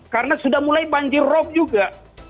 karena sudah mulai banjir rob juga